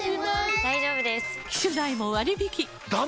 大丈夫です！